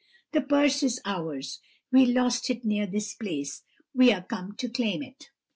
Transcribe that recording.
The purse is ours, we lost it near this place; we are come to claim it.'